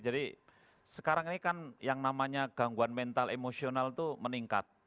jadi sekarang ini kan yang namanya gangguan mental emosional itu meningkat